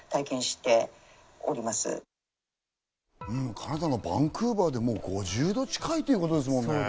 カナダのバンクーバーで５０度近いってことですもんね。